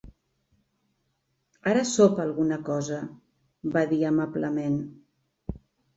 "Ara sopa alguna cosa", va dir amablement.